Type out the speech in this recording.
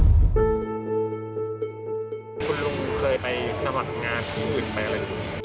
คุณลุงเคยไปสมัครงานที่อื่นไปอะไรครับ